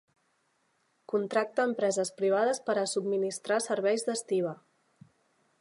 Contracta empreses privades per a subministrar serveis d'estiba.